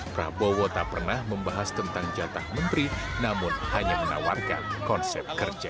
prabowo tak pernah membahas tentang jatah menteri namun hanya menawarkan konsep kerja